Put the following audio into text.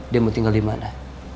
dia mau tinggal dimana